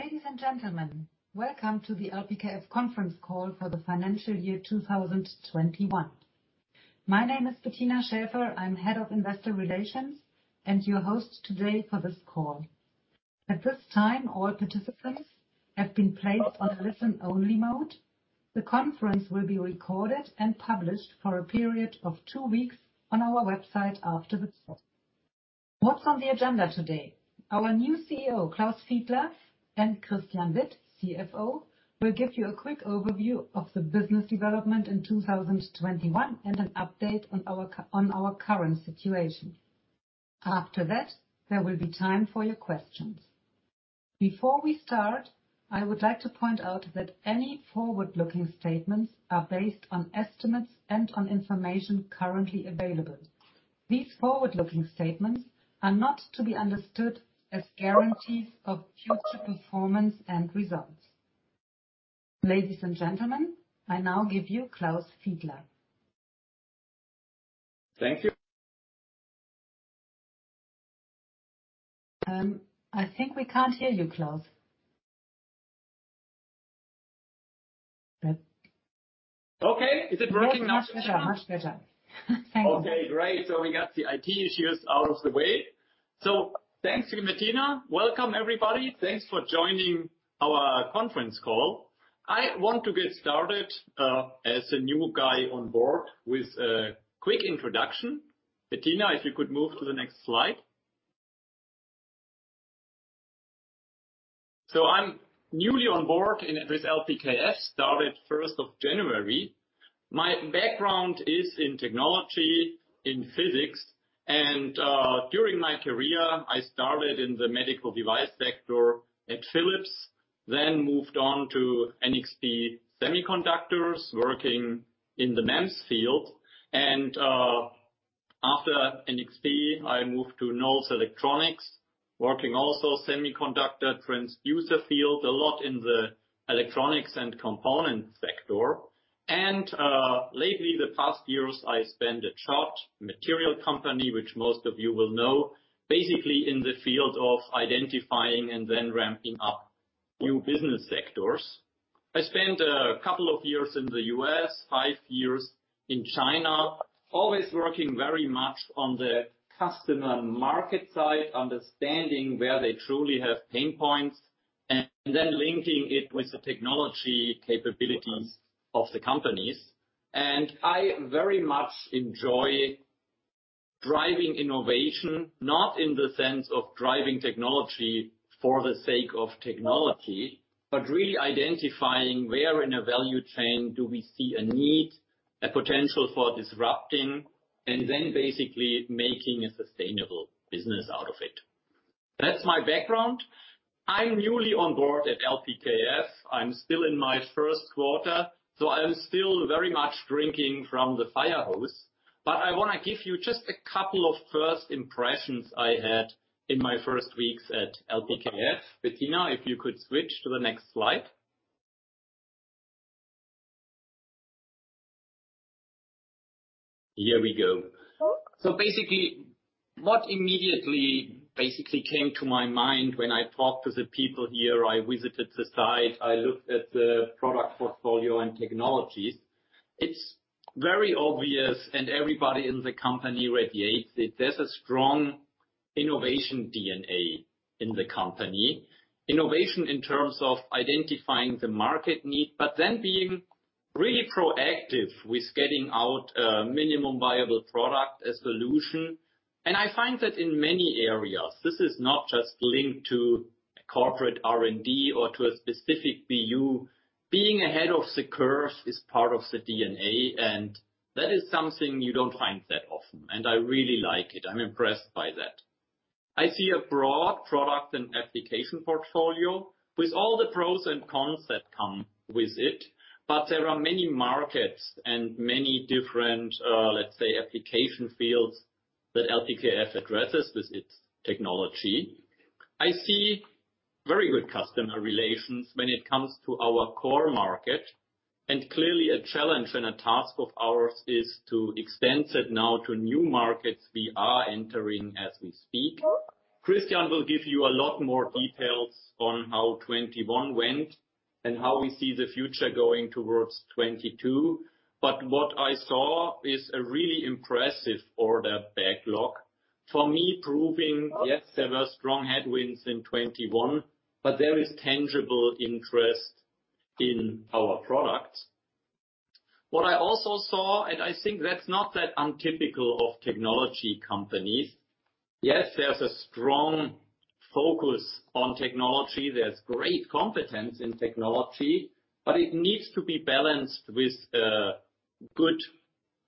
Ladies and gentlemen, welcome to the LPKF conference call for the financial year 2021. My name is Bettina Schäfer. I'm Head of Investor Relations and your host today for this call. At this time, all participants have been placed on listen-only mode. The conference will be recorded and published for a period of two weeks on our website. What's on the agenda today? Our new CEO, Klaus Fiedler, and Christian Witt, CFO, will give you a quick overview of the business development in 2021 and an update on our current situation. After that, there will be time for your questions. Before we start, I would like to point out that any forward-looking statements are based on estimates and on information currently available. These forward-looking statements are not to be understood as guarantees of future performance and results. Ladies and gentlemen, I now give you Klaus Fiedler. Thank you. I think we can't hear you, Klaus. Good. Okay. Is it working now? Much better. Much better. Thank you. Okay, great. We got the IT issues out of the way. Thanks to you, Bettina. Welcome, everybody. Thanks for joining our conference call. I want to get started as a new guy on board with a quick introduction. Bettina, if you could move to the next slide. I'm newly on board and with LPKF, started 1st of January. My background is in Technology, in Physics, and during my career, I started in the Medical Device sector at Philips, then moved on to NXP Semiconductors, working in the MEMS field. After NXP, I moved to Knowles Electronics, working also Semiconductor Transducer field, a lot in the Electronics and Component sector. Lately, the past years, I spent at Rogers, which most of you will know, basically in the field of identifying and then ramping up new business sectors. I spent a couple of years in the U.S., five years in China, always working very much on the customer market side, understanding where they truly have pain points, and then linking it with the technology capabilities of the companies. I very much enjoy driving innovation, not in the sense of driving technology for the sake of technology, but really identifying where in a value chain do we see a need, a potential for disrupting, and then basically making a sustainable business out of it. That's my background. I'm newly on board at LPKF. I'm still in my first quarter, so I'm still very much drinking from the fire hose. I wanna give you just a couple of first impressions I had in my first weeks at LPKF. Bettina, if you could switch to the next slide. Here we go. Basically, what immediately came to my mind when I talked to the people here, I visited the site, I looked at the product portfolio and technologies. It's very obvious, and everybody in the company radiates it. There's a strong innovation DNA in the company. Innovation in terms of identifying the market need, but then being really proactive with getting out a minimum viable product, a solution. I find that in many areas, this is not just linked to a corporate R&D or to a specific BU. Being ahead of the curve is part of the DNA, and that is something you don't find that often, and I really like it. I'm impressed by that. I see a broad product and application portfolio with all the pros and cons that come with it. There are many markets and many different, let's say, application fields that LPKF addresses with its technology. I see very good customer relations when it comes to our core market, and clearly a challenge and a task of ours is to extend it now to new markets we are entering as we speak. Christian will give you a lot more details on how 2021 went and how we see the future going towards 2022. What I saw is a really impressive order backlog. For me, proving yes, there were strong headwinds in 2021, but there is tangible interest in our products. What I also saw, and I think that's not that untypical of technology companies, yes, there's a strong focus on technology. There's great competence in technology, but it needs to be balanced with a good,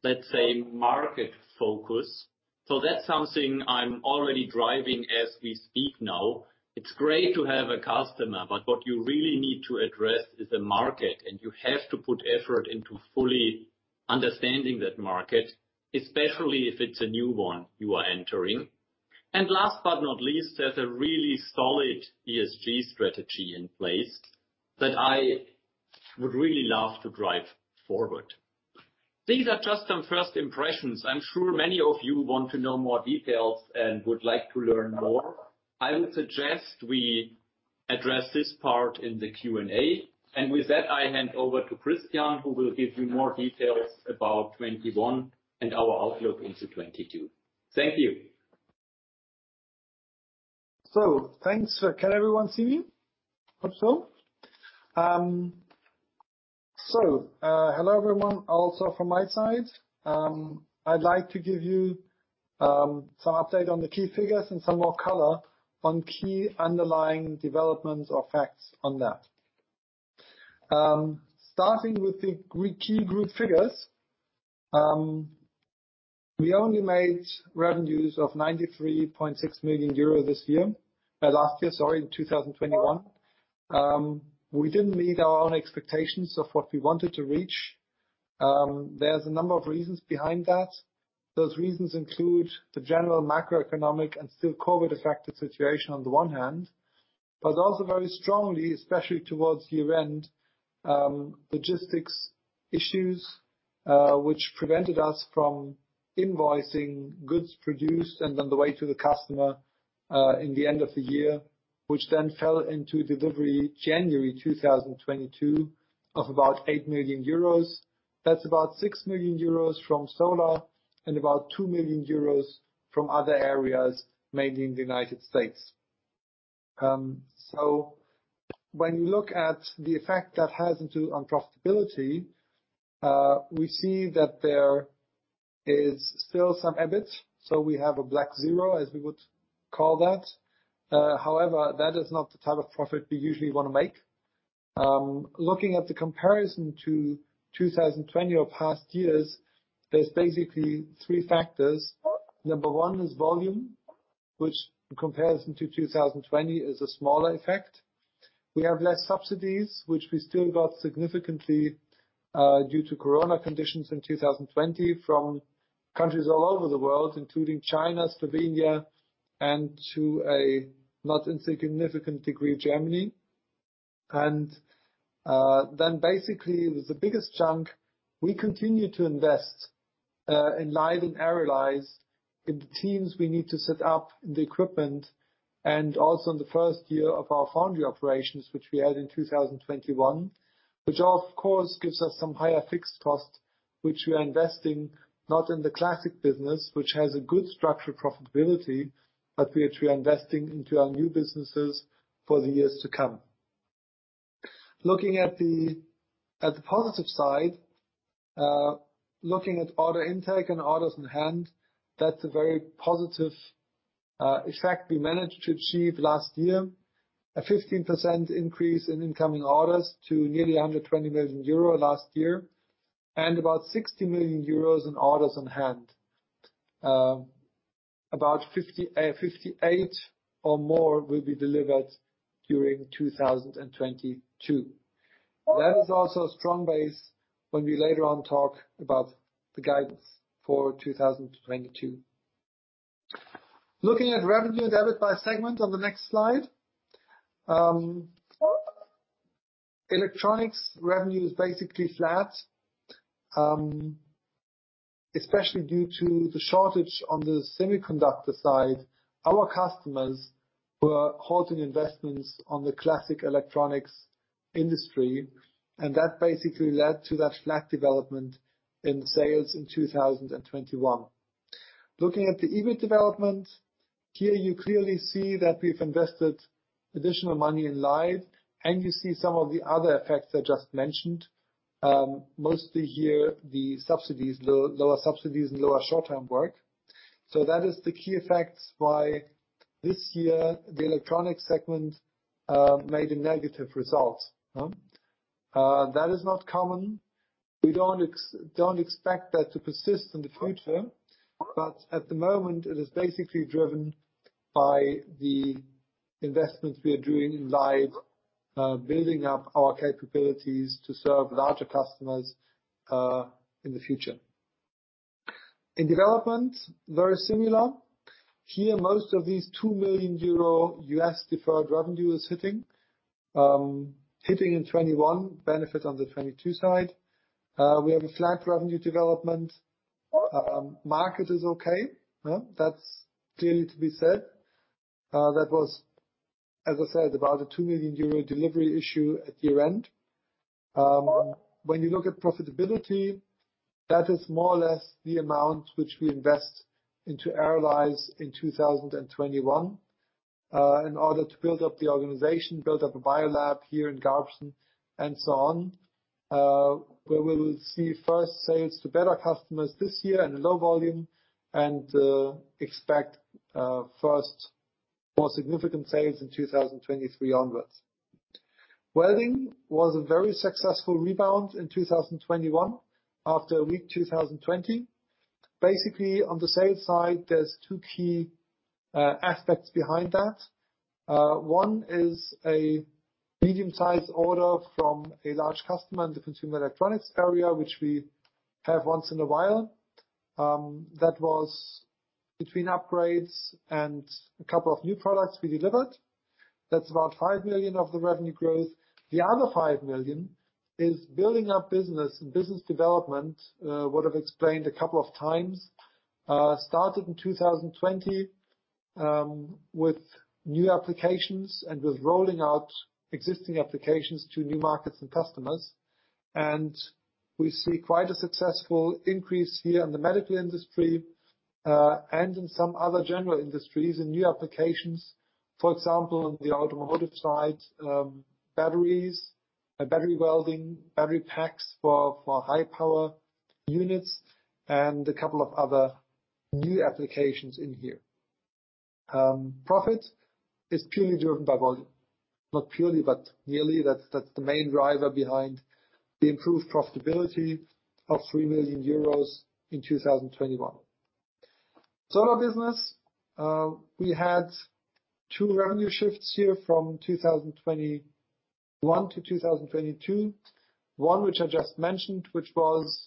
let's say, market focus. That's something I'm already driving as we speak now. It's great to have a customer, but what you really need to address is the market, and you have to put effort into fully understanding that market, especially if it's a new one you are entering. Last but not least, there's a really solid ESG strategy in place that I would really love to drive forward. These are just some first impressions. I'm sure many of you want to know more details and would like to learn more. I would suggest we address this part in the Q&A. With that, I hand over to Christian, who will give you more details about 2021 and our outlook into 2022. Thank you. Thanks. Can everyone see me? Hope so. Hello everyone also from my side. I'd like to give you some update on the key figures and some more color on key underlying developments or facts on that. Starting with the key group figures. We only made revenues of 93.6 million euro this year. Last year, sorry, in 2021. We didn't meet our own expectations of what we wanted to reach. There's a number of reasons behind that. Those reasons include the general macroeconomic and still COVID-affected situation on the one hand, but also very strongly, especially towards year-end, logistics issues, which prevented us from invoicing goods produced and on the way to the customer, in the end of the year, which then fell into delivery in January 2022, of about 8 million euros. That's about 6 million euros from solar and about 2 million euros from other areas, mainly in the United States. When you look at the effect that has on profitability, we see that there is still some EBIT, so we have a black zero, as we would call that. However, that is not the type of profit we usually wanna make. Looking at the comparison to 2020 or past years, there's basically three factors. Number one is volume, which in comparison to 2020, is a smaller effect. We have less subsidies, which we still got significantly, due to corona conditions in 2020, from countries all over the world, including China, Slovenia, and to a not insignificant degree, Germany. Then basically the biggest chunk, we continue to invest in LIDE and ARRALYZE in the teams we need to set up in the equipment, and also in the first year of our foundry operations, which we had in 2021, which of course gives us some higher fixed cost, which we are investing not in the classic business, which has a good structured profitability, but which we are investing into our new businesses for the years to come. Looking at the positive side, looking at order intake and orders in hand, that's a very positive effect we managed to achieve last year. A 15% increase in incoming orders to nearly 200 million euro last year, and 60 million euros in orders in hand. About 58 million or more will be delivered during 2022. That is also a strong base when we later on talk about the guidance for 2022. Looking at revenue and EBIT by segment on the next slide. Electronics revenue is basically flat, especially due to the shortage on the semiconductor side. Our customers were halting investments on the classic electronics industry, and that basically led to that flat development in sales in 2021. Looking at the EBIT development. Here you clearly see that we've invested additional money in LIDE, and you see some of the other effects I just mentioned. Mostly here, the subsidies, lower subsidies and lower short-term work. That is the key effects why this year the electronics segment made a negative result. That is not common. We don't expect that to persist in the future, but at the moment it is basically driven by the investments we are doing in LIDE, building up our capabilities to serve larger customers, in the future. In development, very similar. Here, most of these 2 million euro U.S. deferred revenue is hitting. Hitting in 2021, benefit on the 2022 side. We have a flat revenue development. Market is okay. Yeah, that's clearly to be said. That was, as I said, about a 2 million euro delivery issue at year-end. When you look at profitability, that is more or less the amount which we invest into ARRALYZE in 2021 in order to build up the organization, build up a bio lab here in Garbsen, and so on. We will see first sales to beta customers this year in low volume and expect first more significant sales in 2023 onwards. Welding was a very successful rebound in 2021 after a weak 2020. Basically, on the sales side, there's two key aspects behind that. One is a medium-sized order from a large customer in the consumer electronics area, which we have once in a while. That was between upgrades and a couple of new products we delivered. That's about 5 million of the revenue growth. The other 5 million is building up business and business development, which we have explained a couple of times. Started in 2020, with new applications and with rolling out existing applications to new markets and customers. We see quite a successful increase here in the medical industry, and in some other general industries in new applications. For example, on the automotive side, batteries, battery welding, battery packs for high power units, and a couple of other new applications in here. Profit is purely driven by volume. Not purely, but really that's the main driver behind the improved profitability of 3 million euros in 2021. Solar business, we had two revenue shifts here from 2021 to 2022. One which I just mentioned, which was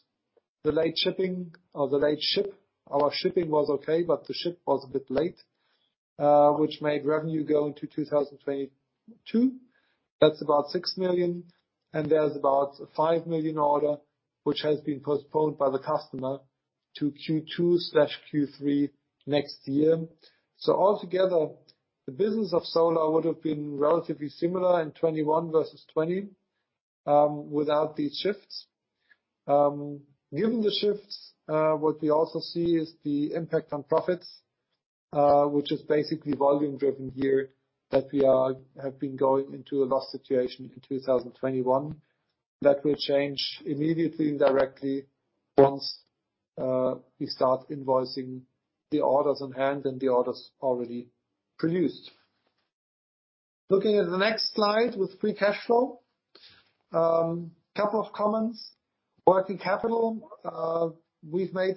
the late shipping or the late shipment. Our shipping was okay, but the shipment was a bit late, which made revenue go into 2022. That's about 6 million, and there's about a 5 million order which has been postponed by the customer to Q2/Q3 next year. Altogether, the business of solar would have been relatively similar in 2021 versus 2020 without these shifts. Given the shifts, what we also see is the impact on profits, which is basically volume-driven here, that we have been going into a loss situation in 2021. That will change immediately, directly once we start invoicing the orders on hand and the orders already produced. Looking at the next slide with free cash flow. A couple of comments. Working capital, we've made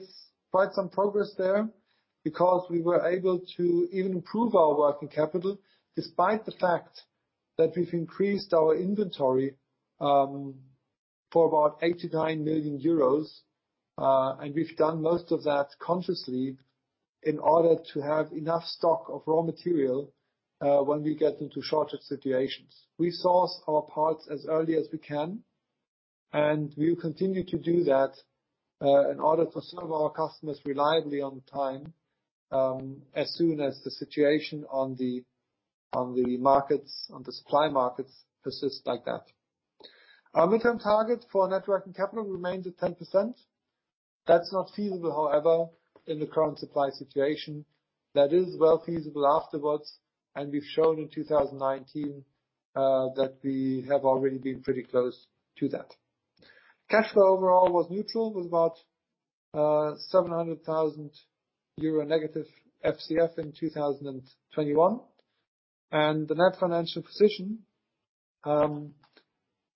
quite some progress there because we were able to even improve our working capital despite the fact that we've increased our inventory for about 89 million euros. We've done most of that consciously in order to have enough stock of raw material when we get into shortage situations. We source our parts as early as we can, and we will continue to do that in order to serve our customers reliably on time as soon as the situation on the markets, on the supply markets persists like that. Our midterm target for net working capital remains at 10%. That's not feasible, however, in the current supply situation. That is well feasible afterwards, and we've shown in 2019 that we have already been pretty close to that. Cash flow overall was neutral, with about -700,000 euro FCF in 2021. The net financial position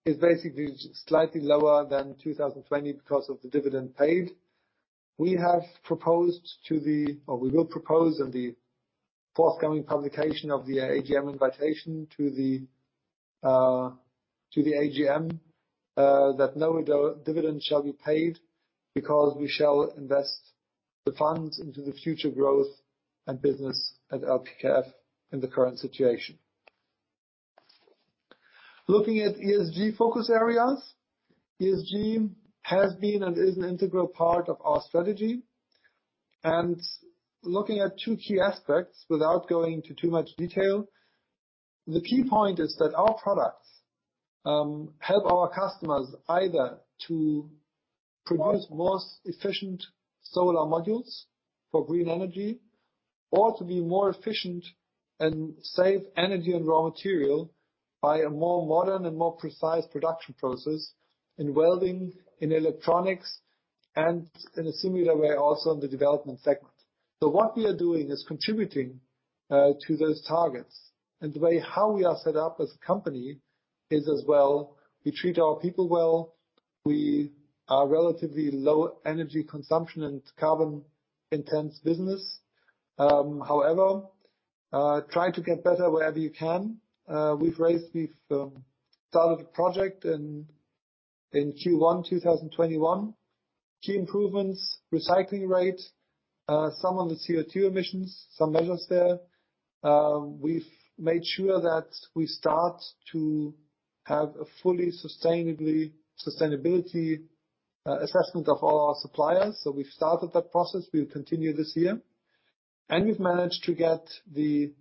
is basically slightly lower than 2020 because of the dividend paid. We have proposed to the or we will propose in the forthcoming publication of the AGM invitation to the AGM that no dividend shall be paid because we shall invest the funds into the future growth and business at LPKF in the current situation. Looking at ESG focus areas. ESG has been and is an integral part of our strategy. Looking at two key aspects without going into too much detail. The key point is that our products help our customers either to produce more efficient solar modules for green energy or to be more efficient and save energy and raw material by a more modern and more precise production process in welding, in electronics, and in a similar way, also in the development segment. What we are doing is contributing to those targets. The way how we are set up as a company is as well. We treat our people well. We are relatively low energy consumption and carbon-intense business. However, try to get better wherever you can. We've started a project in Q1 2021. Key improvements, recycling rate, some on the CO2 emissions, some measures there. We've made sure that we start to have a fully sustainability assessment of all our suppliers. We've started that process. We'll continue this year. We've managed to get the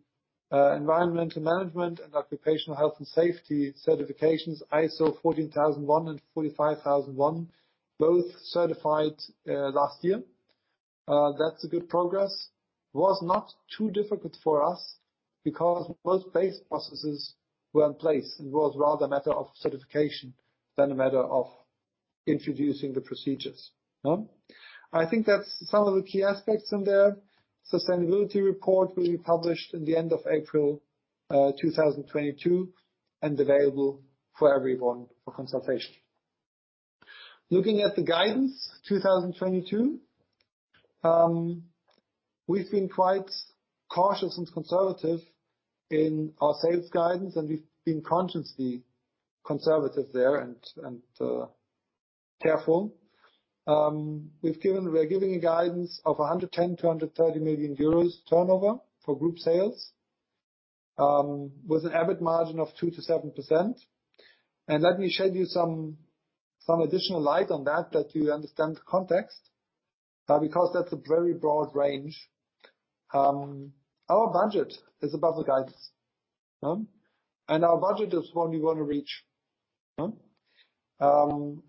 environmental management and occupational health and safety certifications, ISO 14001 and 45001, both certified last year. That's a good progress. It was not too difficult for us because most base processes were in place. It was rather a matter of certification than a matter of introducing the procedures. No? I think that's some of the key aspects in the sustainability report will be published at the end of April 2022 and available for everyone for consultation. Looking at the guidance, 2022. We've been quite cautious and conservative in our sales guidance, and we've been consciously conservative there and careful. We're giving a guidance of 110 million-130 million euros turnover for group sales, with an EBIT margin of 2%-7%. Let me shed some additional light on that so you understand the context, because that's a very broad range. Our budget is above the guidance, and our budget is what we wanna reach.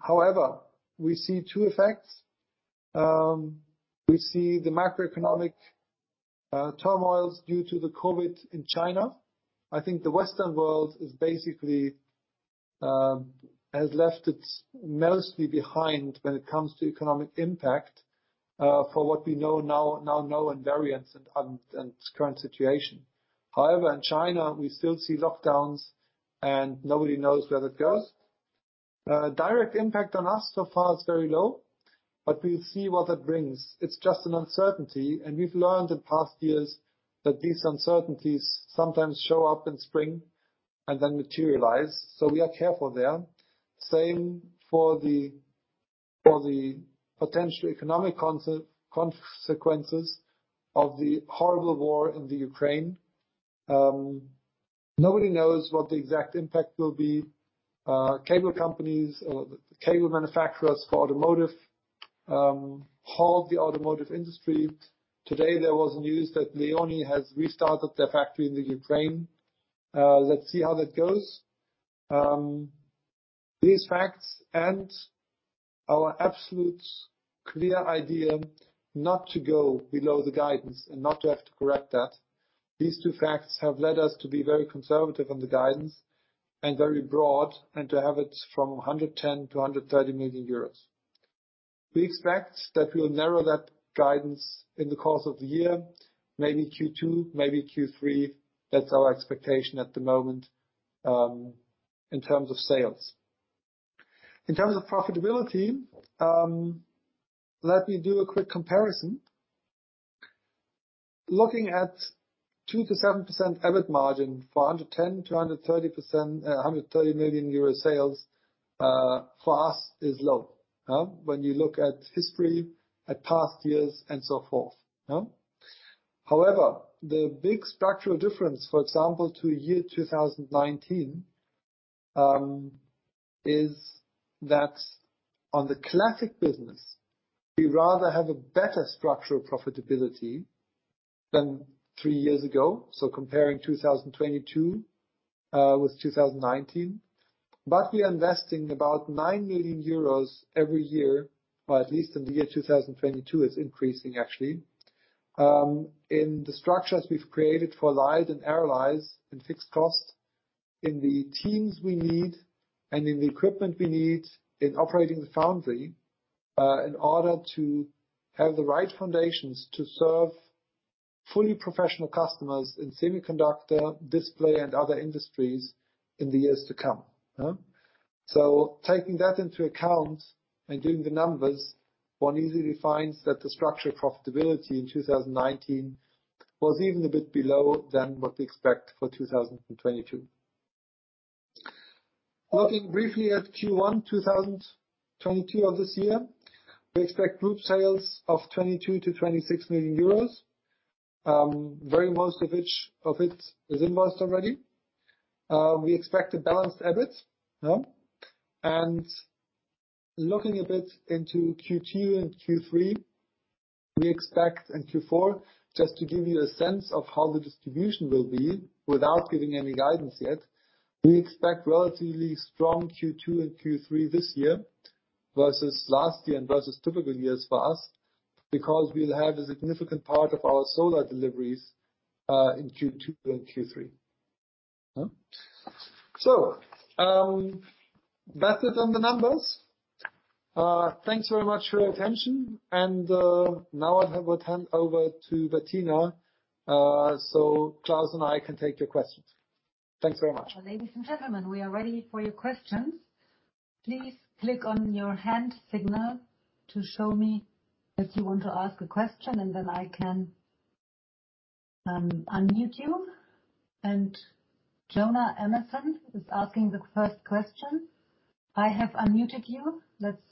However, we see two effects. We see the macroeconomic turmoils due to the COVID in China. I think the Western world is basically has left it mostly behind when it comes to economic impact, for what we know now in variants and current situation. However, in China, we still see lockdowns, and nobody knows where that goes. Direct impact on us so far is very low, but we'll see what that brings. It's just an uncertainty, and we've learned in past years that these uncertainties sometimes show up in spring and then materialize, so we are careful there. Same for the potential economic consequences of the horrible war in Ukraine. Nobody knows what the exact impact will be. Cable companies or the cable manufacturers for automotive halt the automotive industry. Today, there was news that Leoni has restarted their factory in Ukraine. Let's see how that goes. These facts and our absolutely clear idea not to go below the guidance and not to have to correct that. These two facts have led us to be very conservative on the guidance and very broad and to have it from 110 million-130 million euros. We expect that we'll narrow that guidance in the course of the year, maybe Q2, maybe Q3. That's our expectation at the moment, in terms of sales. In terms of profitability, let me do a quick comparison. Looking at 2%-7% EBIT margin for 110 million-130 million euro sales, for us is low. When you look at history, at past years, and so forth. However, the big structural difference, for example, to year 2019, is that on the classic business, we rather have a better structural profitability than three years ago, so comparing 2022 with 2019. We are investing about 9 million euros every year, or at least in the year 2022 it's increasing actually, in the structures we've created for LIDE and ARRALYZE and fixed costs, in the teams we need, and in the equipment we need in operating the foundry, in order to have the right foundations to serve fully professional customers in semiconductor, display, and other industries in the years to come. Taking that into account and doing the numbers, one easily finds that the structural profitability in 2019 was even a bit below than what we expect for 2022. Looking briefly at Q1 2022 of this year, we expect group sales of 22 million-26 million euros, very most of which of it is invoiced already. We expect a balanced EBIT. Looking a bit into Q2 and Q3, just to give you a sense of how the distribution will be without giving any guidance yet, we expect relatively strong Q2 and Q3 this year versus last year and versus typical years for us, because we'll have a significant part of our solar deliveries in Q2 and Q3. That's it on the numbers. Thanks very much for your attention. Now I will hand over to Bettina, so Klaus and I can take your questions. Thanks very much. Ladies and gentlemen, we are ready for your questions. Please click on your hand signal to show me if you want to ask a question, and then I can unmute you. Jonah Emerson is asking the first question. I have unmuted you. Let's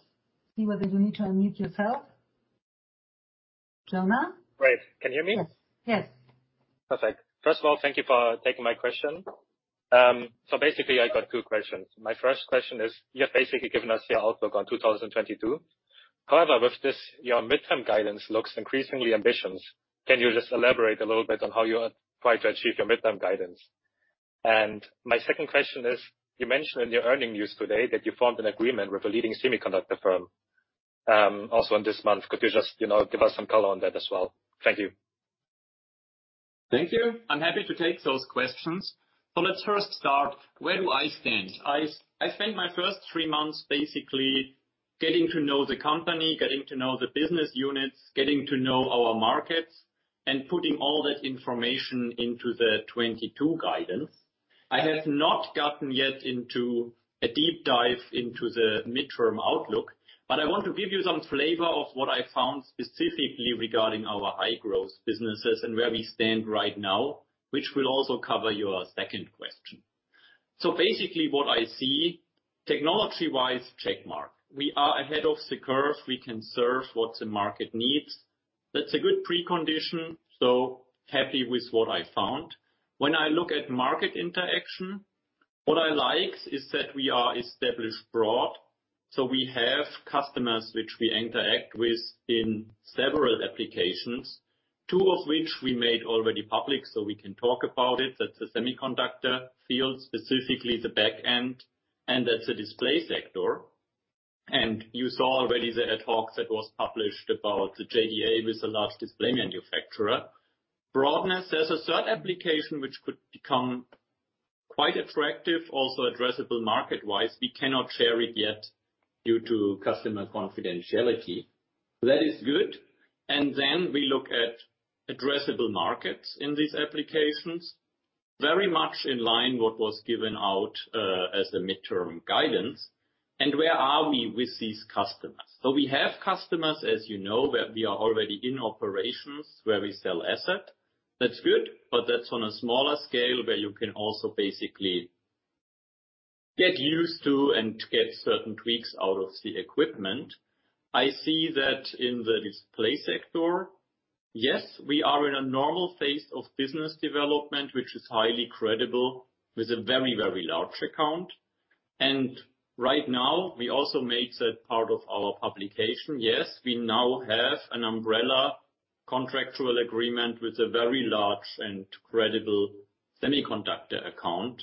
see whether you need to unmute yourself. Jonah? Great. Can you hear me? Yes. Yes. Perfect. First of all, thank you for taking my question. So basically, I got two questions. My first question is, you have basically given us your outlook on 2022. However, with this, your midterm guidance looks increasingly ambitious. Can you just elaborate a little bit on how you are trying to achieve your midterm guidance? My second question is, you mentioned in your earnings news today that you formed an agreement with a leading semiconductor firm, also in this month. Could you just, you know, give us some color on that as well? Thank you. Thank you. I'm happy to take those questions. Let's first start, where do I stand? I spent my first three months basically getting to know the company, getting to know the business units, getting to know our markets, and putting all that information into the 2022 guidance. I have not gotten yet into a deep dive into the midterm outlook, but I want to give you some flavor of what I found specifically regarding our high-growth businesses and where we stand right now, which will also cover your second question. Basically what I see technology-wise, check mark. We are ahead of the curve. We can serve what the market needs. That's a good precondition. Happy with what I found. When I look at market interaction, what I like is that we are established broad. We have customers which we interact with in several applications, two of which we made already public, so we can talk about it. That's the semiconductor field, specifically the back-end, and that's the display sector. You saw already the ad hoc that was published about the JDA with a large display manufacturer. Broadness. There's a third application which could become quite attractive, also addressable market wise. We cannot share it yet due to customer confidentiality. That is good. Then we look at addressable markets in these applications. Very much in line what was given out as the midterm guidance. Where are we with these customers? We have customers, as you know, where we are already in operations, where we sell assets. That's good, but that's on a smaller scale, where you can also basically get used to and get certain tweaks out of the equipment. I see that in the display sector. Yes, we are in a normal phase of business development, which is highly credible, with a very, very large account. Right now we also made that part of our publication. Yes, we now have an umbrella contractual agreement with a very large and credible semiconductor account,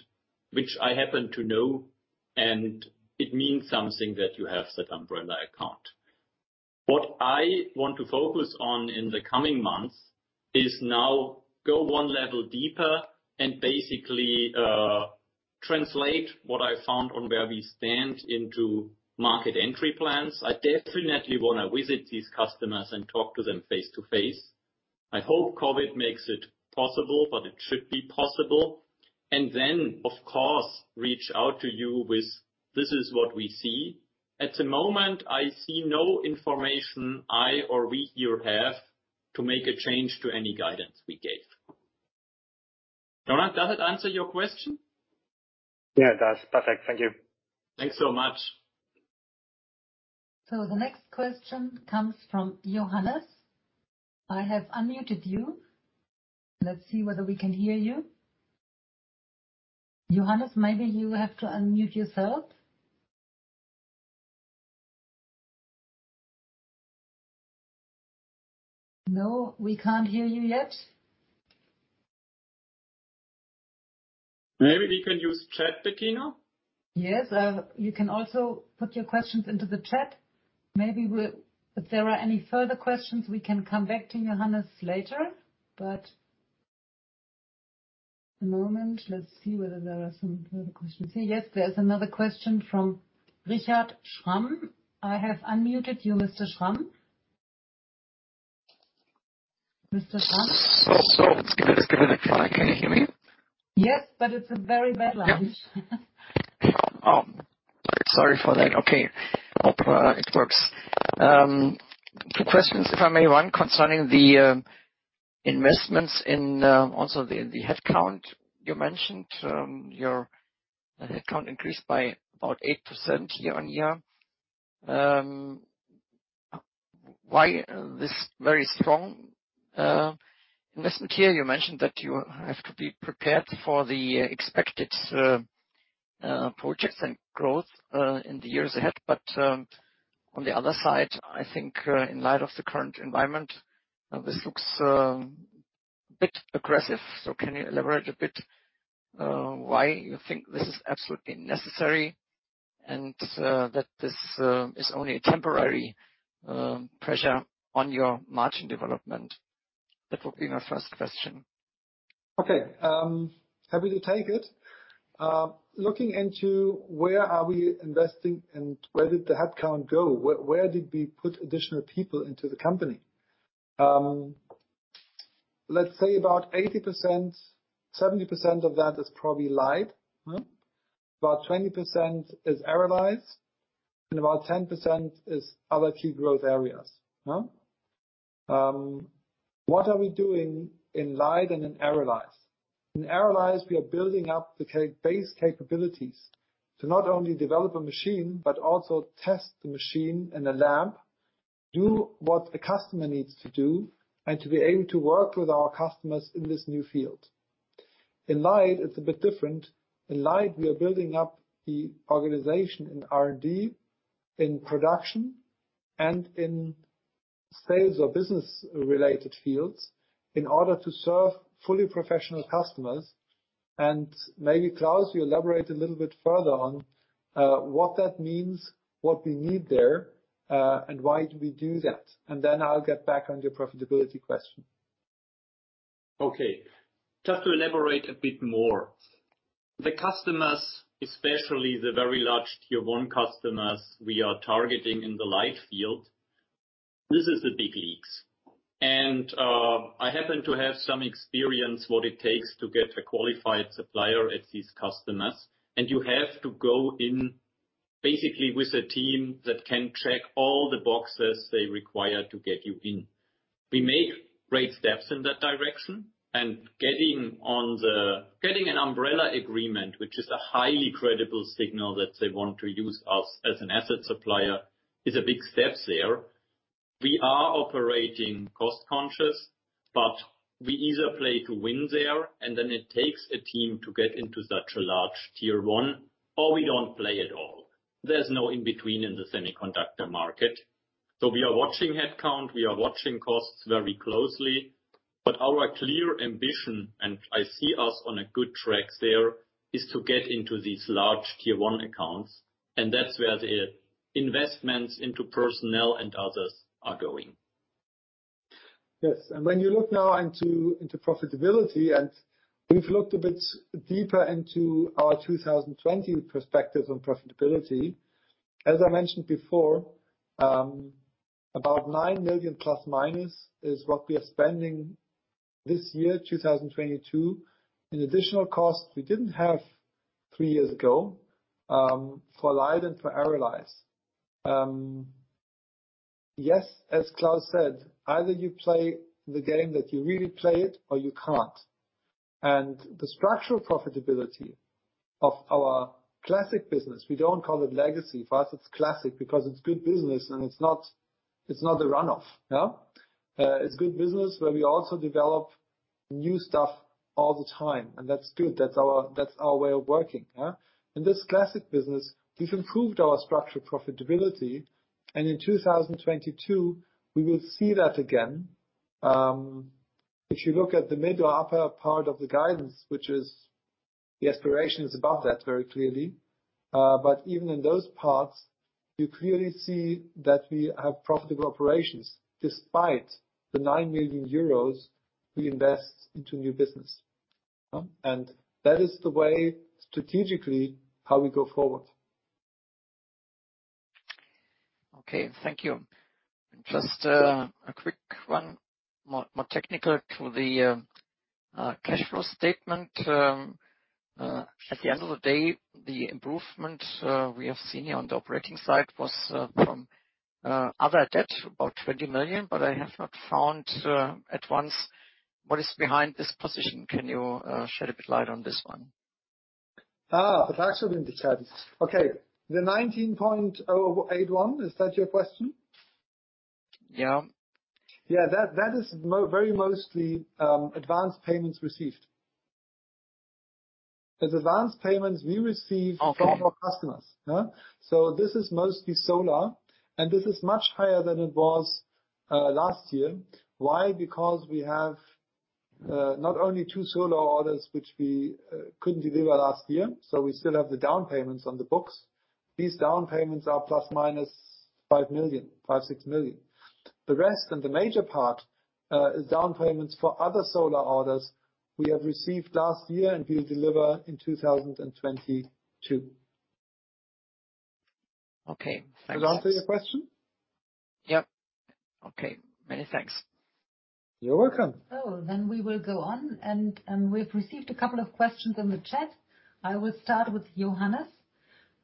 which I happen to know, and it means something that you have that umbrella account. What I want to focus on in the coming months is now go one level deeper and basically translate what I found on where we stand into market entry plans. I definitely want to visit these customers and talk to them face-to-face. I hope COVID makes it possible, but it should be possible. Then, of course, reach out to you with, "This is what we see." At the moment, I see no information I or we here have to make a change to any guidance we gave. Jonah, does it answer your question? Yeah, it does. Perfect. Thank you. Thanks so much. The next question comes from Johannes. I have unmuted you. Let's see whether we can hear you. Johannes, maybe you have to unmute yourself. No, we can't hear you yet. Maybe we can use chat, Bettina. Yes. You can also put your questions into the chat. If there are any further questions, we can come back to Johannes later. But at the moment, let's see whether there are some further questions. Yes, there's another question from Richard Schramm. I have unmuted you, Mr. Schramm. Mr. Schramm? Just giving a try. Can you hear me? Yes, it's a very bad line. Oh, sorry for that. Okay. It works. Two questions, if I may. One, concerning the investments in also the headcount. You mentioned your headcount increased by about 8% year-on-year. Why this very strong investment here? You mentioned that you have to be prepared for the expected projects and growth in the years ahead. On the other side, I think in light of the current environment, this looks a bit aggressive. Can you elaborate a bit why you think this is absolutely necessary and that this is only a temporary pressure on your margin development? That would be my first question. Okay. Happy to take it. Looking into where are we investing and where did the headcount go? Where did we put additional people into the company? Let's say about 80%, 70% of that is probably LIDE. About 20% is ARRALYZE, and about 10% is other key growth areas. What are we doing in LIDE and in ARRALYZE? In ARRALYZE, we are building up the base capabilities to not only develop a machine, but also test the machine in a lab, do what the customer needs to do, and to be able to work with our customers in this new field. In LIDE it's a bit different. In LIDE, we are building up the organization in R&D, in production, and in sales or business-related fields in order to serve fully professional customers. Maybe, Klaus, you elaborate a little bit further on what that means, what we need there, and why do we do that. Then I'll get back on your profitability question. Okay. Just to elaborate a bit more. The customers, especially the very large Tier 1 customers we are targeting in the LIDE field, this is the big leagues. I happen to have some experience in what it takes to get a qualified supplier at these customers. You have to go in basically with a team that can check all the boxes they require to get you in. We make great steps in that direction and getting an umbrella agreement, which is a highly credible signal that they want to use us as an assets supplier, is a big step there. We are operating cost conscious, but we either play to win there, and then it takes a team to get into such a large Tier 1, or we don't play at all. There's no in between in the semiconductor market. We are watching headcount, we are watching costs very closely. Our clear ambition, and I see us on a good track there, is to get into these large tier one accounts, and that's where the investments into personnel and others are going. Yes. When you look now into profitability, we've looked a bit deeper into our 2020 perspectives on profitability. As I mentioned before, about EUR 9± million is what we are spending this year, 2022. In additional costs we didn't have three years ago, for LIDE and for ARRALYZE. Yes, as Klaus said, either you play the game that you really play it or you can't. The structural profitability of our classic business, we don't call it legacy. For us, it's classic because it's good business and it's not a run-off. It's good business where we also develop new stuff all the time, and that's good. That's our way of working. In this classic business, we've improved our structural profitability. In 2022, we will see that again. If you look at the middle upper part of the guidance, which is the aspiration is above that very clearly. But even in those parts, you clearly see that we have profitable operations despite the 9 million euros we invest into new business. That is the way strategically how we go forward. Okay, thank you. Just a quick one, more technical to the cash flow statement. At the end of the day, the improvement we have seen here on the operating side was from other debt, about 20 million, but I have not found exactly what is behind this position. Can you shed a bit of light on this one? That should have been decided. Okay. The 19.081, is that your question? Yeah. Yeah. That is very mostly advanced payments received. It's advanced payments we receive. Okay. From our customers. Yeah. This is mostly solar, and this is much higher than it was last year. Why? Because we have not only two solar orders, which we couldn't deliver last year, so we still have the down payments on the books. These down payments are ±5 million-±6 million. The rest, and the major part, is down payments for other solar orders we have received last year and we'll deliver in 2022. Okay. Thanks. Does that answer your question? Yep. Okay. Many thanks. You're welcome. Oh, we will go on. We've received a couple of questions in the chat. I will start with Johannes.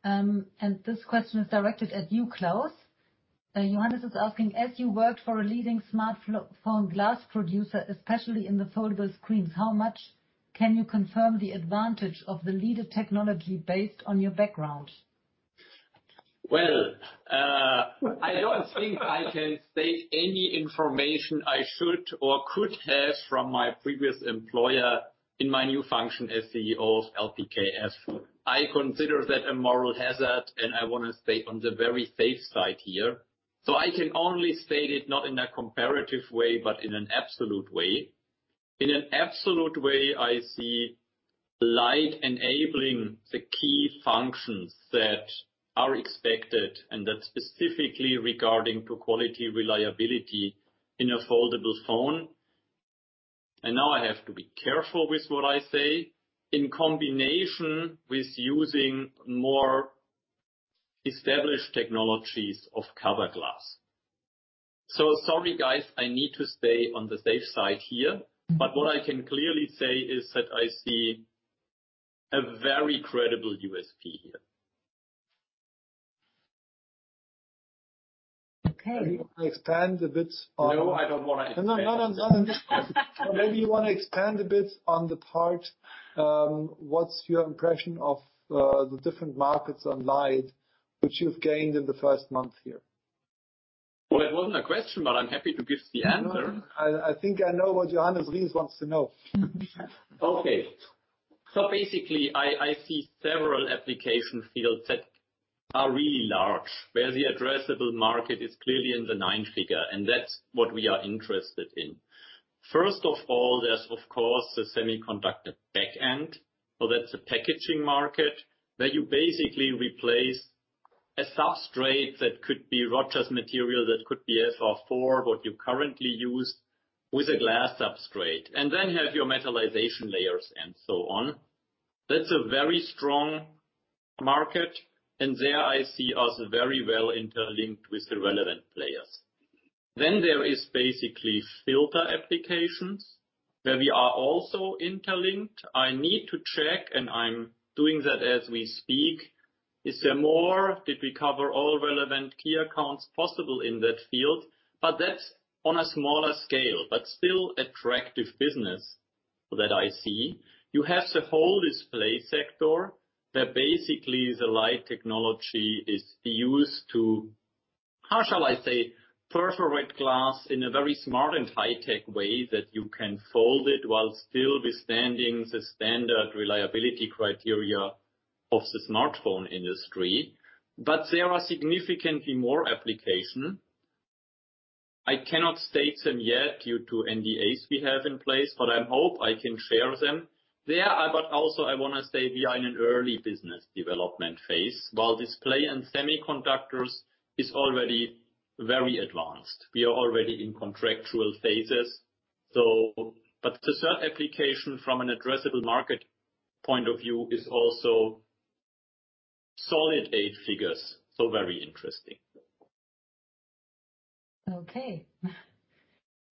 This question is directed at you, Klaus. Johannes is asking, as you worked for a leading smartphone glass producer, especially in the foldable screens, how much can you confirm the advantage of the LIDE technology based on your background? Well, I don't think I can state any information I should or could have from my previous employer in my new function as CEO of LPKF. I consider that a moral hazard, and I wanna stay on the very safe side here. I can only state it not in a comparative way, but in an absolute way. In an absolute way, I see LIDE enabling the key functions that are expected, and that's specifically regarding to quality, reliability in a foldable phone. Now I have to be careful with what I say in combination with using more established technologies of cover glass. Sorry, guys, I need to stay on the safe side here. What I can clearly say is that I see a very credible USP here. Okay. Expand a bit on. No, I don't wanna expand. No. Maybe you wanna expand a bit on the part, what's your impression of the different markets online which you've gained in the first month here? Well, it wasn't a question, but I'm happy to give the answer. I think I know what Johannes Ries wants to know. Okay. Basically, I see several application fields that are really large, where the addressable market is clearly in the nine-figure, and that's what we are interested in. First of all, there is of course the semiconductor back-end. That's a packaging market where you basically replace a substrate that could be Rogers material, that could be FR4, what you currently use with a glass substrate, and then have your metallization layers and so on. That's a very strong market, and there I see us very well interlinked with the relevant players. There is basically filter applications where we are also interlinked. I need to check, and I'm doing that as we speak. Is there more? Did we cover all relevant key accounts possible in that field? That's on a smaller scale, but still attractive business that I see. You have the whole display sector that basically the LIDE technology is used to, how shall I say, perforate glass in a very smart and high-tech way that you can fold it while still withstanding the standard reliability criteria of the smartphone industry. There are significantly more applications. I cannot state them yet due to NDAs we have in place, but I hope I can share them. I want to say we are in an early business development phase while display and semiconductors is already very advanced. We are already in contractual phases. The third application from an addressable market point of view is also solid eight figures. Very interesting. Okay.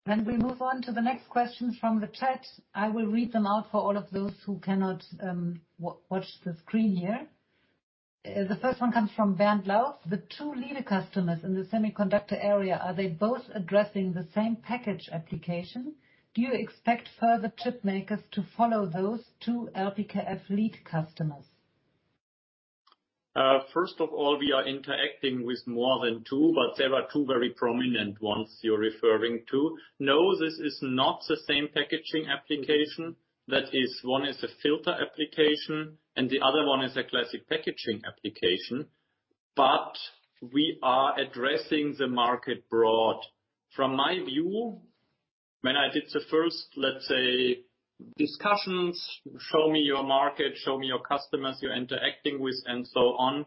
We move on to the next question from the chat. I will read them out for all of those who cannot watch the screen here. The first one comes from Bernd Laux. The two leading customers in the semiconductor area, are they both addressing the same package application? Do you expect further chip makers to follow those two LPKF lead customers? First of all, we are interacting with more than two, but there are two very prominent ones you're referring to. No, this is not the same packaging application. That is, one is a filter application and the other one is a classic packaging application. We are addressing the market broadly. From my view, when I did the first, let's say, discussions, show me your market, show me your customers you're interacting with and so on,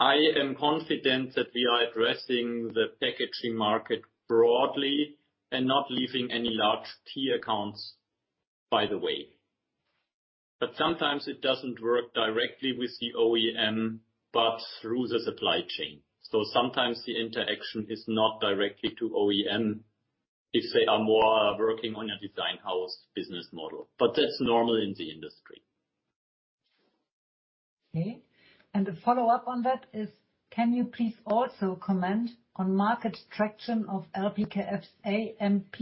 I am confident that we are addressing the packaging market broadly and not leaving any large key accounts, by the way. Sometimes it doesn't work directly with the OEM, but through the supply chain. Sometimes the interaction is not directly to OEM if they are more working on a design house business model. That's normal in the industry. Okay. A follow-up on that is, can you please also comment on market traction of LPKF's AMP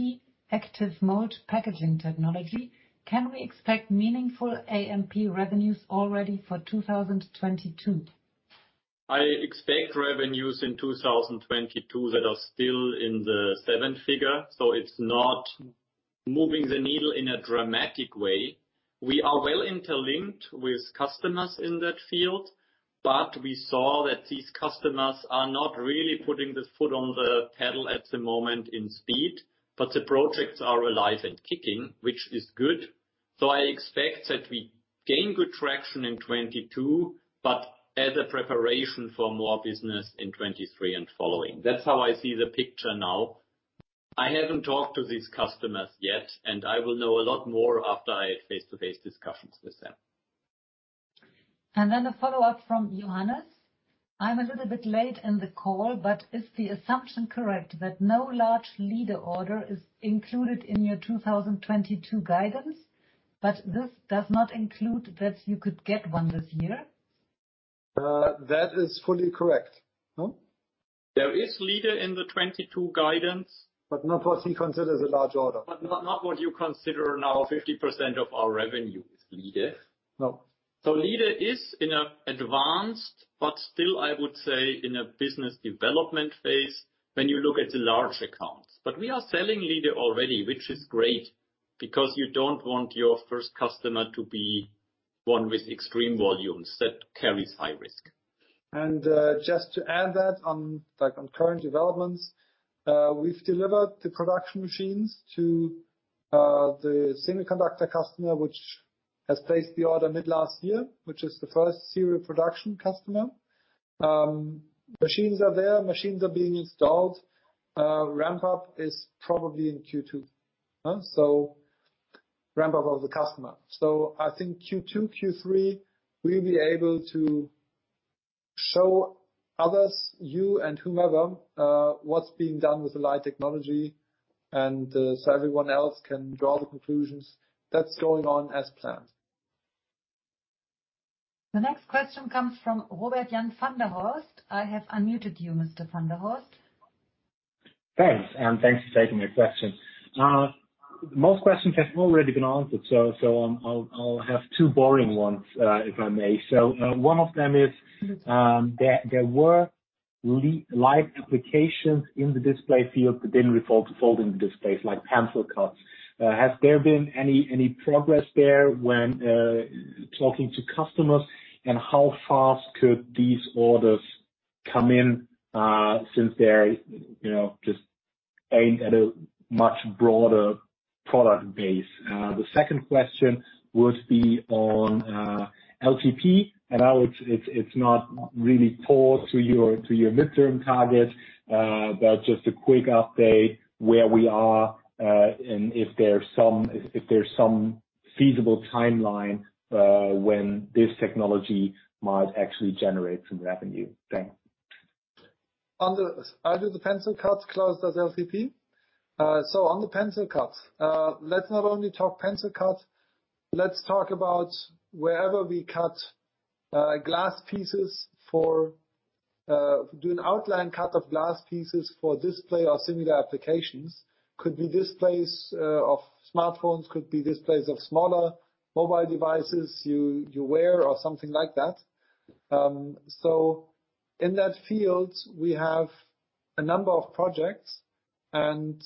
Active Mold Packaging technology? Can we expect meaningful AMP revenues already for 2022? I expect revenues in 2022 that are still in the seven-figure, so it's not moving the needle in a dramatic way. We are well interlinked with customers in that field, but we saw that these customers are not really putting the foot on the pedal at the moment in speed, but the projects are alive and kicking, which is good. I expect that we gain good traction in 2022, but as a preparation for more business in 2023 and following. That's how I see the picture now. I haven't talked to these customers yet, and I will know a lot more after I have face-to-face discussions with them. A follow-up from Johannes. I'm a little bit late in the call, but is the assumption correct that no large LIDE order is included in your 2022 guidance, but this does not include that you could get one this year? That is fully correct. No? There is leeway in the 2022 guidance. Not what he considers a large order. Not what you consider now 50% of our revenue is LIDE. No. LIDE is in an advanced but still, I would say, in a business development phase when you look at the large accounts. We are selling LIDE already, which is great because you don't want your first customer to be one with extreme volumes. That carries high risk. Just to add that on, like, on current developments, we've delivered the production machines to the semiconductor customer, which has placed the order mid last year, which is the first serial production customer. Machines are there, machines are being installed. Ramp up is probably in Q2. Ramp up of the customer. I think Q2, Q3, we'll be able to show others, you and whomever, what's being done with the LIDE technology, and so everyone else can draw the conclusions. That's going on as planned. The next question comes from Robert-Jan van der Horst. I have unmuted you, Mr. van der Horst. Thanks. Thanks for taking my question. Most questions have already been answered. I'll have two boring ones, if I may. One of them is there were LIDE applications in the display field that didn't involve folding displays like pencil cuts. Has there been any progress there when talking to customers, and how fast could these orders come in, since they're, you know, just aimed at a much broader product base? The second question would be on LTP. I know it's not really core to your midterm targets, but just a quick update where we are, and if there's some feasible timeline when this technology might actually generate some revenue. Thanks. Are the pencil cuts closed as LTP? On the pencil cuts, let's not only talk pencil cut, let's talk about wherever we cut glass pieces for doing outline cut of glass pieces for display or similar applications. Could be displays of smartphones, could be displays of smaller mobile devices you wear or something like that. In that field, we have a number of projects and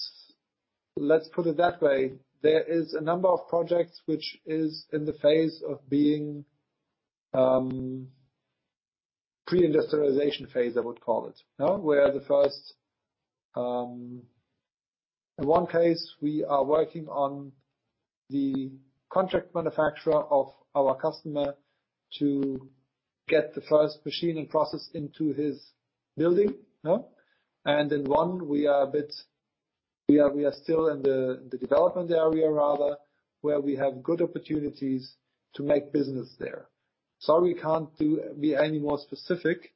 let's put it that way, there is a number of projects which is in the phase of being pre-industrialization phase, I would call it. Now, where the first in one case, we are working on the contract manufacturer of our customer to get the first machining process into his building, no? In one, we are still in the development area rather, where we have good opportunities to make business there. Sorry, we can't be any more specific,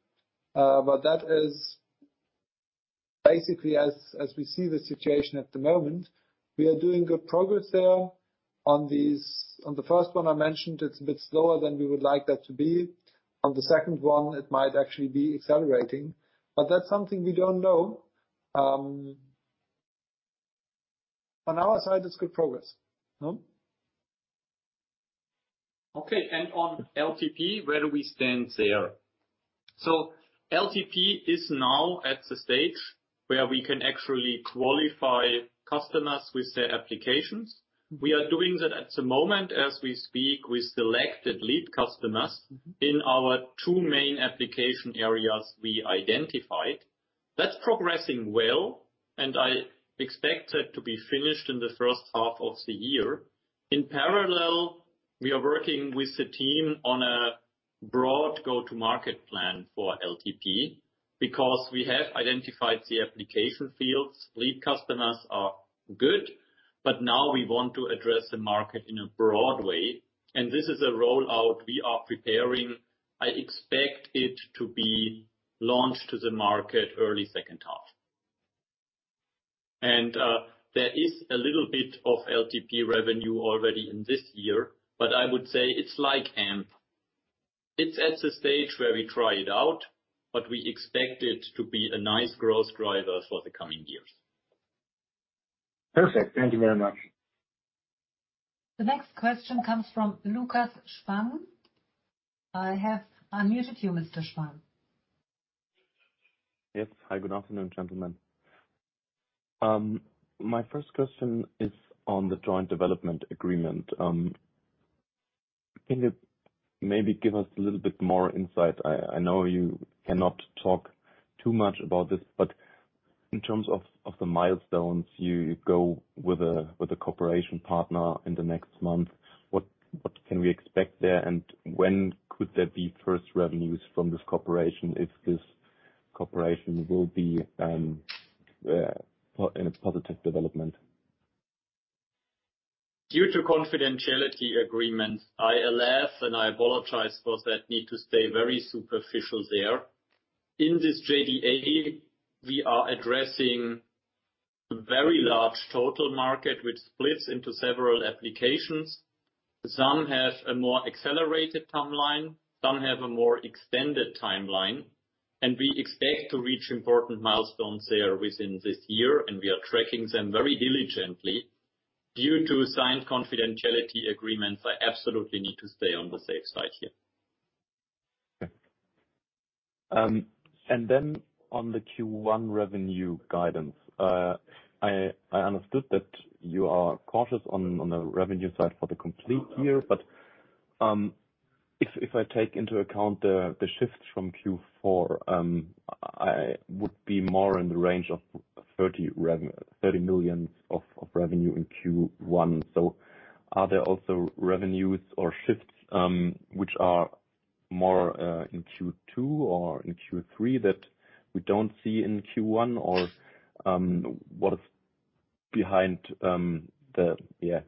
but that is basically as we see the situation at the moment. We are doing good progress there on these. On the first one I mentioned, it's a bit slower than we would like that to be. On the second one, it might actually be accelerating. That's something we don't know. On our side, it's good progress, no? Okay. On LTP, where do we stand there? LTP is now at the stage where we can actually qualify customers with their applications. We are doing that at the moment as we speak with selected lead customers in our two main application areas we identified. That's progressing well, and I expect it to be finished in the first half of the year. In parallel, we are working with the team on a broad go-to-market plan for LTP because we have identified the application fields. Lead customers are good, but now we want to address the market in a broad way. This is a rollout we are preparing. I expect it to be launched to the market early second half. There is a little bit of LTP revenue already in this year. I would say it's like AMP. It's at a stage where we try it out, but we expect it to be a nice growth driver for the coming years. Perfect. Thank you very much. The next question comes from Lukas Spang. I have unmuted you, Mr. Spang. Yes. Hi, good afternoon, gentlemen. My first question is on the joint development agreement. Can you maybe give us a little bit more insight? I know you cannot talk too much about this, but in terms of the milestones, you go with a cooperation partner in the next month. What can we expect there and when could there be first revenues from this cooperation if this cooperation will be point in a positive development? Due to confidentiality agreements, I laugh, and I apologize for that need to stay very superficial there. In this JDA, we are addressing very large total market which splits into several applications. Some have a more accelerated timeline, some have a more extended timeline, and we expect to reach important milestones there within this year, and we are tracking them very diligently. Due to signed confidentiality agreements, I absolutely need to stay on the safe side here. On the Q1 revenue guidance. I understood that you are cautious on the revenue side for the complete year. If I take into account the shifts from Q4, I would be more in the range of 30 million of revenue in Q1. Are there also revenues or shifts which are more in Q2 or in Q3 that we don't see in Q1? What is behind the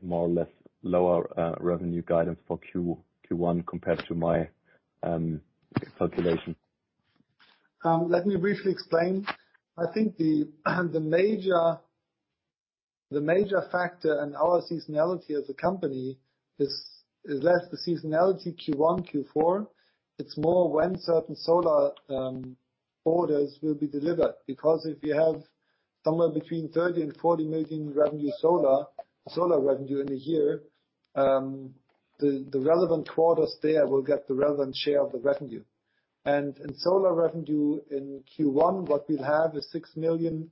more or less lower revenue guidance for Q1 compared to my calculation? Let me briefly explain. I think the major factor in our seasonality as a company is less the seasonality Q1, Q4. It's more when certain solar orders will be delivered. Because if you have somewhere between 30 million and 40 million solar revenue in a year, the relevant quarters there will get the relevant share of the revenue. In solar revenue in Q1, what we'll have is 6 million,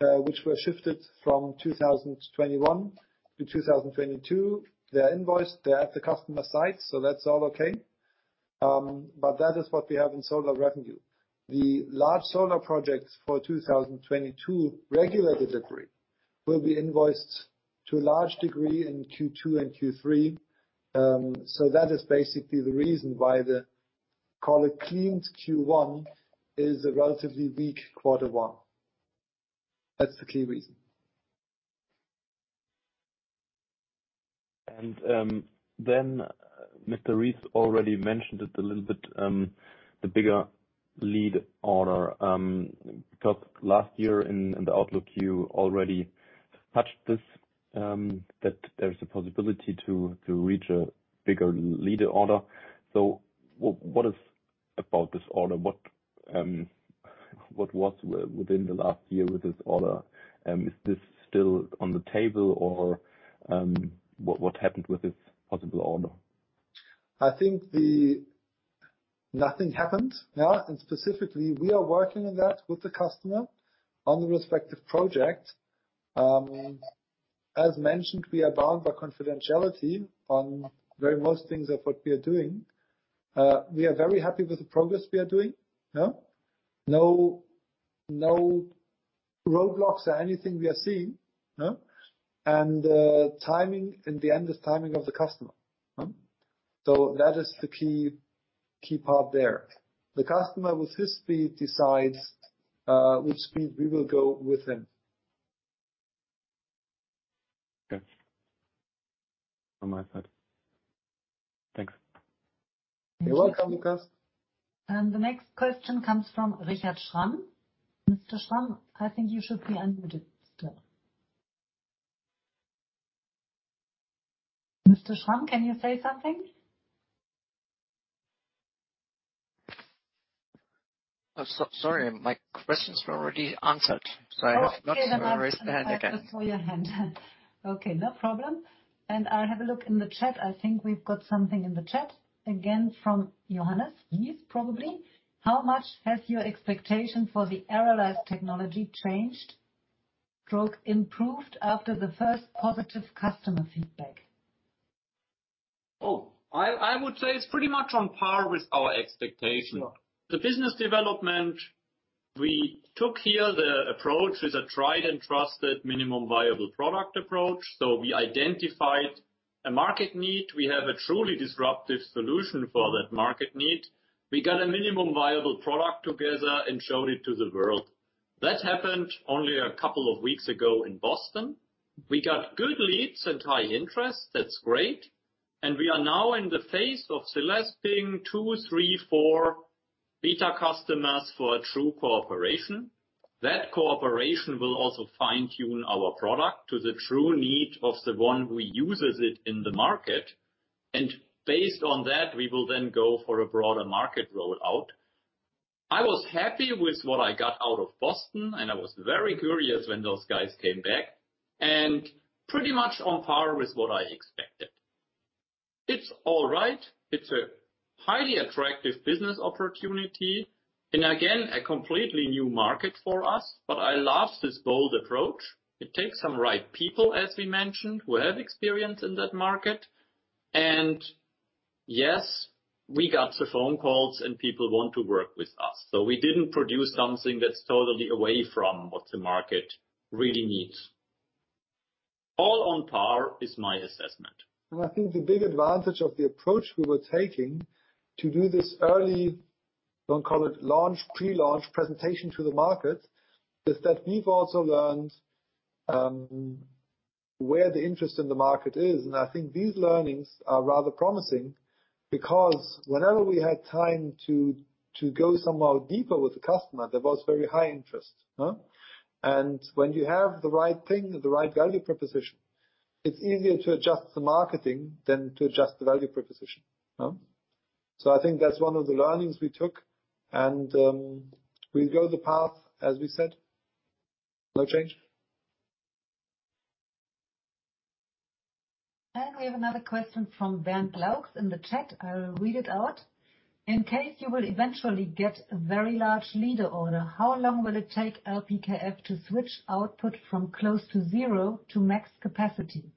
which were shifted from 2021 to 2022. They're invoiced, they're at the customer site, so that's all okay. That is what we have in solar revenue. The large solar projects for 2022 will be invoiced to a large degree in Q2 and Q3. That is basically the reason why the, call it, cleaned Q1 is a relatively weak quarter one. That's the key reason. Mr. Ries already mentioned it a little bit, the bigger lead order, because last year in the outlook, you already touched this, that there's a possibility to reach a bigger lead order. What about this order? What was within the last year with this order? Is this still on the table or what happened with this possible order? I think nothing happened. Yeah. Specifically, we are working on that with the customer on the respective project. As mentioned, we are bound by confidentiality on very most things of what we are doing. We are very happy with the progress we are doing. Yeah. No roadblocks or anything we are seeing. Yeah. The timing, in the end, is timing of the customer. Yeah. That is the key part there. The customer with his speed decides which speed we will go with him. Okay. On my side. Thanks. You're welcome, Lukas. The next question comes from Richard Schramm. Mr. Schramm, I think you should be unmuted still. Mr. Schramm, can you say something? Sorry, my questions were already answered, so I have not raised the hand again. Okay. I have to pull your hand. Okay, no problem. I'll have a look in the chat. I think we've got something in the chat again from Johannes. Yes, probably. How much has your expectation for the ARRALYZE technology changed or improved after the first positive customer feedback? I would say it's pretty much on par with our expectation. Sure. The business development we took here, the approach is a tried and trusted minimum viable product approach. We identified a market need. We have a truly disruptive solution for that market need. We got a minimum viable product together and showed it to the world. That happened only a couple of weeks ago in Boston. We got good leads and high interest. That's great. We are now in the phase of selecting two, three, four beta customers for a true cooperation. That cooperation will also fine-tune our product to the true need of the one who uses it in the market. Based on that, we will then go for a broader market rollout. I was happy with what I got out of Boston, and I was very curious when those guys came back and pretty much on par with what I expected. It's all right. It's a highly attractive business opportunity and again, a completely new market for us. I love this bold approach. It takes some right people, as we mentioned, who have experience in that market. Yes, we got the phone calls and people want to work with us. We didn't produce something that's totally away from what the market really needs. All on par is my assessment. I think the big advantage of the approach we were taking to do this early, don't call it launch, pre-launch presentation to the market, is that we've also learned where the interest in the market is. I think these learnings are rather promising because whenever we had time to go somehow deeper with the customer, there was very high interest. When you have the right thing, the right value proposition, it's easier to adjust the marketing than to adjust the value proposition. I think that's one of the learnings we took. We go the path as we said. No change. We have another question from Bernd Laux in the chat. I'll read it out. In case you will eventually get a very large LIDE order, how long will it take LPKF to switch output from close to zero to max capacity?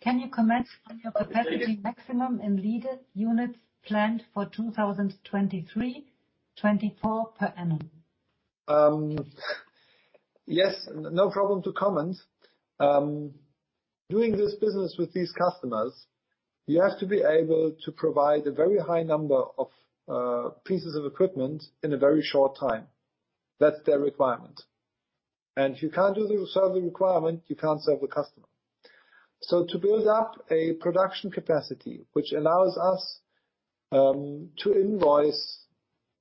Can you comment on your capacity maximum in LIDE units planned for 2023, 2024 per annum? Yes, no problem to comment. Doing this business with these customers, you have to be able to provide a very high number of pieces of equipment in a very short time. That's their requirement. If you can't serve the requirement, you can't serve the customer. To build up a production capacity which allows us to invoice,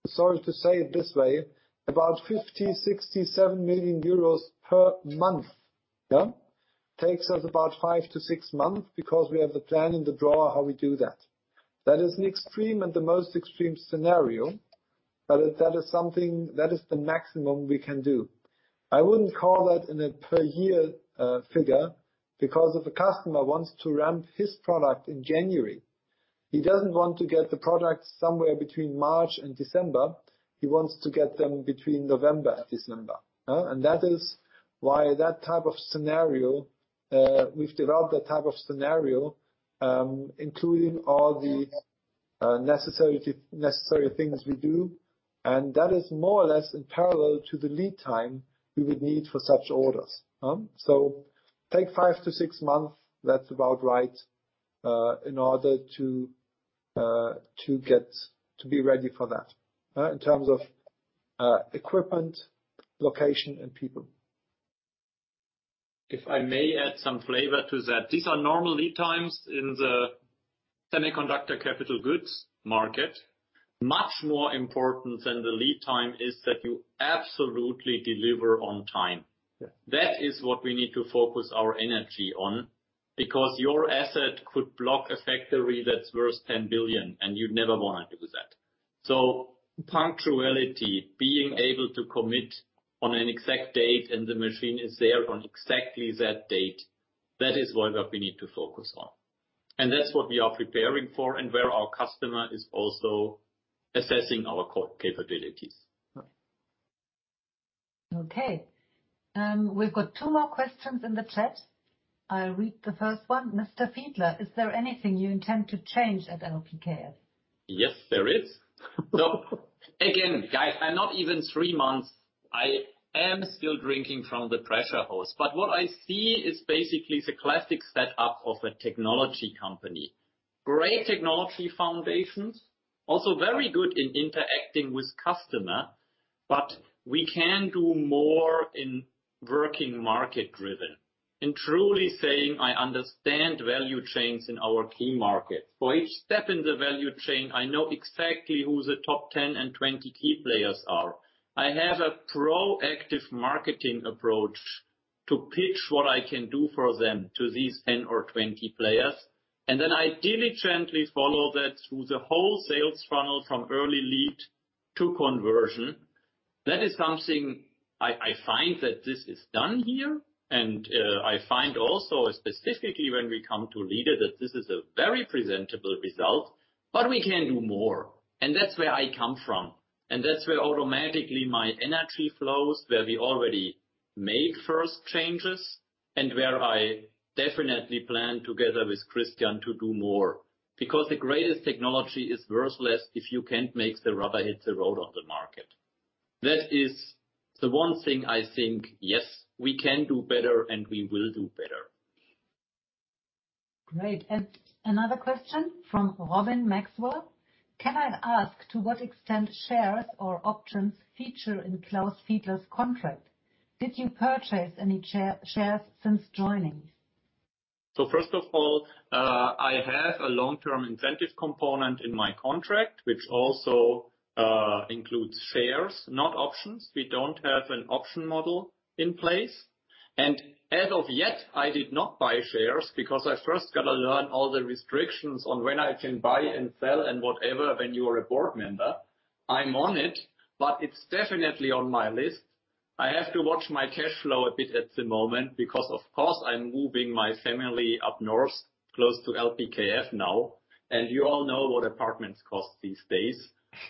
sorry to say it this way, about 50 million-67 million euros per month, yeah, takes us about five to six months because we have the plan in the drawer how we do that. That is an extreme and the most extreme scenario. That is the maximum we can do. I wouldn't call that in a per year figure, because if a customer wants to ramp his product in January, he doesn't want to get the product somewhere between March and December. He wants to get them between November and December. Huh? That is why that type of scenario we've developed, including all the necessary things we do, and that is more or less in parallel to the lead time we would need for such orders. Take five to six months. That's about right, in order to be ready for that, in terms of equipment, location, and people. If I may add some flavor to that. These are normal lead times in the semiconductor capital goods market. Much more important than the lead time is that you absolutely deliver on time. Yes. That is what we need to focus our energy on, because your assets could block a factory that's worth 10 billion, and you never wanna do that. Punctuality, being able to commit on an exact date and the machine is there on exactly that date, that is what we need to focus on. That's what we are preparing for and where our customer is also assessing our capabilities. Right. Okay. We've got two more questions in the chat. I'll read the first one. Mr. Fiedler, is there anything you intend to change at LPKF? Yes, there is. Again, guys, I'm not even three months. I am still drinking from the pressure hose. What I see is basically the classic setup of a technology company. Great technology foundations, also very good in interacting with customer, but we can do more in working market-driven. In truly saying, I understand value chains in our key markets. For each step in the value chain, I know exactly who the top 10 and 20 key players are. I have a proactive marketing approach to pitch what I can do for them to these 10 or 20 players, and then I diligently follow that through the whole sales funnel from early lead to conversion. That is something I find that this is done here. I find also, specifically when we come to LPKF, that this is a very presentable result, but we can do more. That's where I come from. That's where automatically my energy flows, where we already make first changes, and where I definitely plan together with Christian to do more. Because the greatest technology is worthless if you can't make the rubber hit the road on the market. That is the one thing I think, yes, we can do better and we will do better. Great. Another question from Robin Maxwell. Can I ask to what extent shares or options feature in Klaus Fiedler's contract? Did you purchase any shares since joining? First of all, I have a long-term incentive component in my contract, which also includes shares, not options. We don't have an option model in place. As of yet, I did not buy shares because I first gotta learn all the restrictions on when I can buy and sell and whatever when you are a board member. I'm on it, but it's definitely on my list. I have to watch my cash flow a bit at the moment because of course I'm moving my family up north, close to LPKF now, and you all know what apartments cost these days.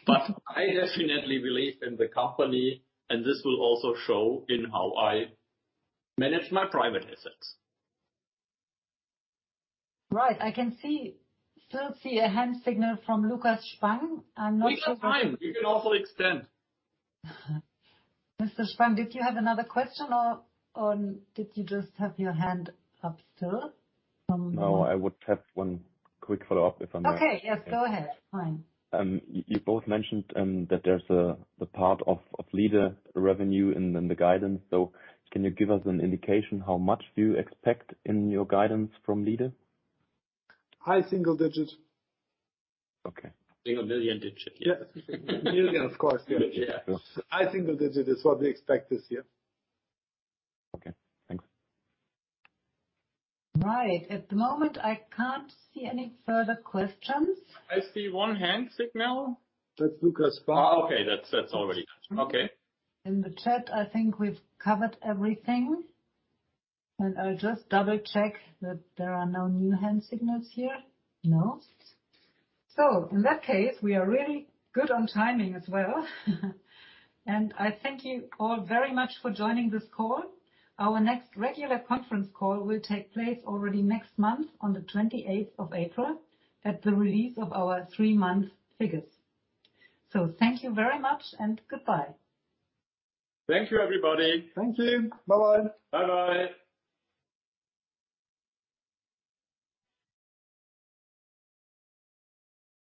I definitely believe in the company, and this will also show in how I manage my private assets. Right. I can see, still see a hand signal from Lukas Spang. I'm not sure. We have time. We can also extend. Mr. Spang, did you have another question or did you just have your hand up still? No, I would have one quick follow-up if I may. Okay. Yes, go ahead. Fine. You both mentioned that there's a part of Leoni revenue in the guidance. Can you give us an indication how much do you expect in your guidance from Leoni? High single-digits. Okay. Single-digit millions, yes. Yes. Million, of course. Yeah. Yeah. High single-digit is what we expect this year. Okay, thanks. Right. At the moment, I can't see any further questions. I see one hand signal. That's Lukas Spang. Oh, okay. That's already. Okay. In the chat, I think we've covered everything. I'll just double-check that there are no new hand signals here. No. In that case, we are really good on timing as well. I thank you all very much for joining this call. Our next regular conference call will take place already next month on the 28th of April at the release of our three-month figures. Thank you very much and goodbye. Thank you, everybody. Thank you. Bye-bye. Bye-bye.